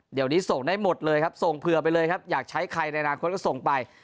เดี๋ยวนี้ส่งได้หมดเลยครับส่งเผื่อไปเลยครับอยากใช้ใครในอนาคตก็ส่งไป